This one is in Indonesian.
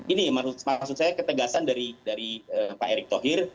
ini maksud saya ketegasan dari pak erick thohir